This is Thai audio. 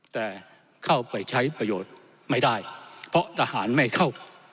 แต่เข้าไปใช้ประโยชน์ไม่ได้เพราะทหารไม่เข้า